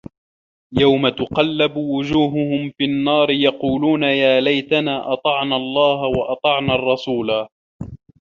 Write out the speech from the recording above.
يَومَ تُقَلَّبُ وُجوهُهُم فِي النّارِ يَقولونَ يا لَيتَنا أَطَعنَا اللَّهَ وَأَطَعنَا الرَّسولا